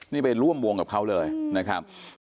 นี่ไปร่วมวงกับเขาเลยนะครับ